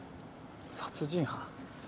殺人犯？